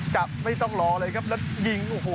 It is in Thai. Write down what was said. จับไม่ต้องรอเลยครับแล้วยิงโอ้โห